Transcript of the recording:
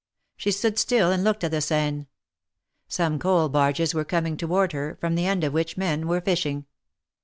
She stood still and looked at the Seine. Some coal barges were coming toward her, from the end of which men were fishing.